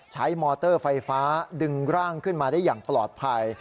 มอเตอร์ไฟฟ้าดึงร่างขึ้นมาได้อย่างปลอดภัย